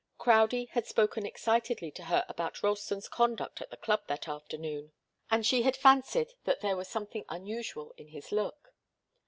Crowdie had spoken excitedly to her about Ralston's conduct at the club that afternoon, and she had fancied that there was something unusual in his look.